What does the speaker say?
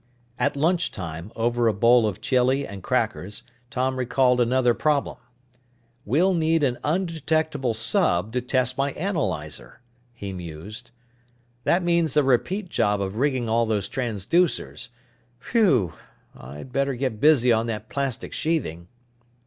At lunchtime, over a bowl of chili and crackers, Tom recalled another problem. "We'll need an undetectable sub to test my analyzer," he mused. "That means a repeat job of rigging all those transducers. Whew! I'd better get busy on that plastic sheathing."